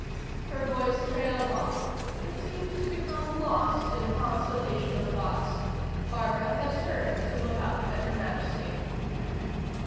Her voice trailed off; it seemed to become lost in a constellation of thoughts. Barbara had turned to look up at Her Majesty.